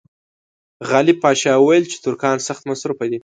غالب پاشا وویل چې ترکان سخت مصروف دي.